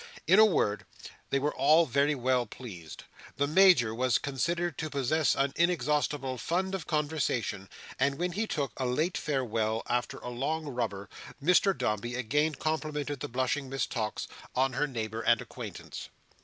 In a word, they were all very well pleased. The Major was considered to possess an inexhaustible fund of conversation; and when he took a late farewell, after a long rubber, Mr Dombey again complimented the blushing Miss Tox on her neighbour and acquaintance.